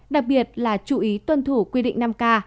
đặc biệt là chú ý tuân thủ quy định năm k